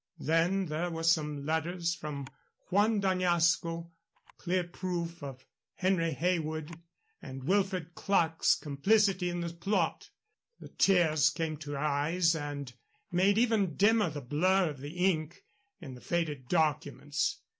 Then there were some letters from Juan d'Añasco, clear proof of Henry Heywood and Wilfred Clerke's complicity in the plot. The tears came to her eyes and made even dimmer the blur of the ink in the faded documents.